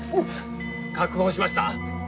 確保しました。